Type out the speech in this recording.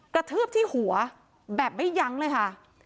กระทืบที่หัวแบบไม่ยั้งเลยค่ะ